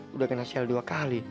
udah kena shell dua kali